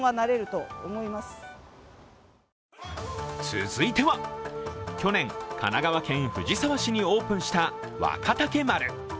続いては、去年、神奈川県藤沢市にオープンした若竹丸。